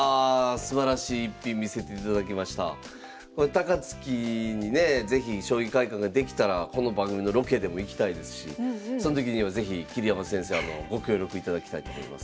高槻にね是非将棋会館ができたらこの番組のロケでも行きたいですしその時には是非桐山先生ご協力いただきたいと思います。